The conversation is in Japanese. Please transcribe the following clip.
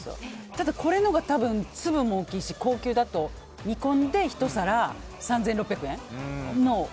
ただ、これのほうが多分粒も大きいし高級だと見込んでひと皿３６００円の計算。